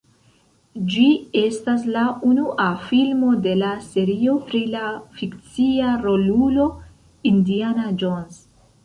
Ĝi estas la unua filmo de la serio pri la fikcia rolulo Indiana Jones.